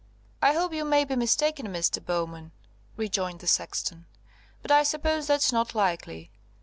"I hope you may be mistaken, Mr. Bowman," rejoined the sexton; "but I suppose that's not likely.